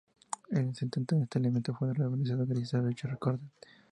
En los setenta, este elemento fue revalorizado gracias a Richard Corben.